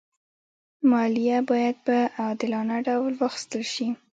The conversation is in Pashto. مالیه باید په عادلانه ډول واخېستل شي.